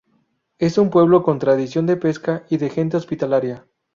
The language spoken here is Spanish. Es un pueblo con tradición de pesca y de gente hospitalaria.